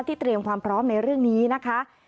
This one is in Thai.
เตรียมความพร้อมในเรื่องนี้นะคะ